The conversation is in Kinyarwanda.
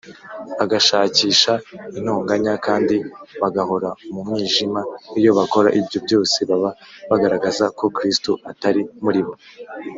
bagashakisha intonganya, kandi bagahora mu mwijima iyo bakora ibyo byose baba bagaragaza ko kristo atari muri bo